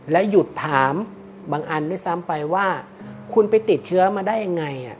แล้วหยุดถามบางอันไม่ซ้ำไปว่าคุณไปติดเชื้อมาได้อย่างไร